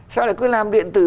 sao lại cứ làm điện tử